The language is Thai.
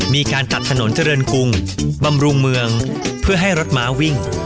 มีการตัดถนนเจริญกรุงบำรุงเมืองเพื่อให้รถม้าวิ่ง